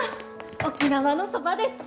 沖縄のそばです。